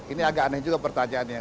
ini agak aneh juga pertanyaannya